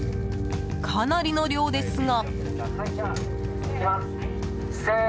かなりの量ですが。